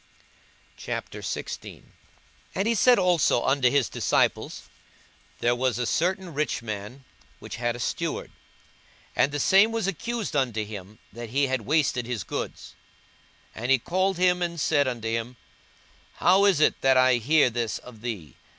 42:016:001 And he said also unto his disciples, There was a certain rich man, which had a steward; and the same was accused unto him that he had wasted his goods. 42:016:002 And he called him, and said unto him, How is it that I hear this of thee?